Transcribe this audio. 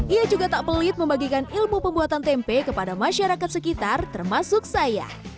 ia juga tak pelit membagikan ilmu pembuatan tempe kepada masyarakat sekitar termasuk saya